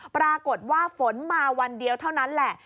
ปรากฏว่าฝนมาวันเดียวเท่านั้นแหละ